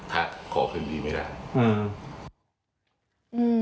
ถ้าขอคืนดีไม่ได้อืม